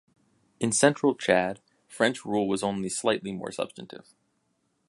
In central Chad, French rule was only slightly more substantive.